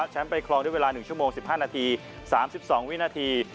ไปครองด้วยเวลา๑ชั่วโมง๑๕นาที๓๒วินาที